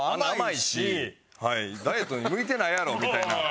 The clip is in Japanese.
ダイエットに向いてないやろみたいな。